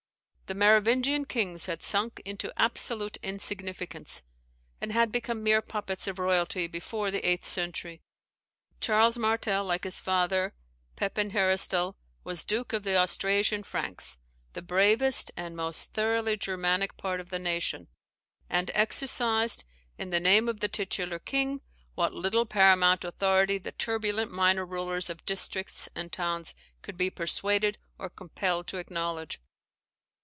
The Merovingian kings had sunk into absolute insignificance, and had become mere puppets of royalty before the eighth century. Charles Martel like his father, Pepin Heristal, was Duke of the Austrasian Franks, the bravest and most thoroughly Germanic part of the nation: and exercised, in the name of the titular king, what little paramount authority the turbulent minor rulers of districts and towns could be persuaded or compelled to acknowledge.